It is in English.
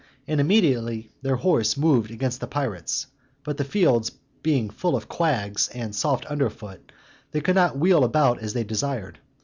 and immediately their horse moved against the pirates: but the fields being full of quags, and soft under foot, they could not wheel about as they desired.